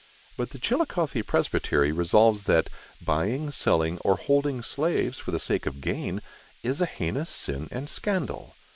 But the Chillicothe Presbytery resolves that "buying, selling, or holding slaves, for the sake of gain, is a heinous sin and scandal."